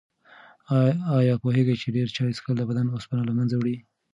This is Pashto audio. آیا پوهېږئ چې ډېر چای څښل د بدن اوسپنه له منځه وړي؟